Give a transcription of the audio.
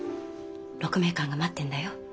鹿鳴館が待ってんだよ。